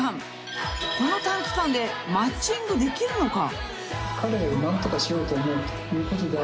［この短期間でマッチングできるのか？］